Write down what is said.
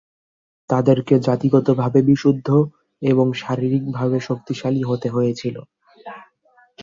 তাদেরকে জাতিগতভাবে বিশুদ্ধ এবং শারীরিকভাবে শক্তিশালী হতে হয়েছিল।